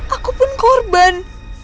aku pun korban